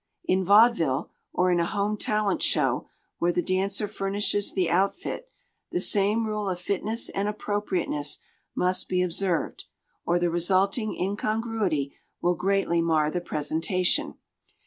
In vaudeville, or in a home talent show, where the dancer furnishes the outfit, the same rule of fitness and appropriateness must be observed, or the resulting incongruity will greatly mar the presentation.